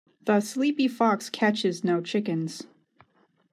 The sleepy fox catches no chickens.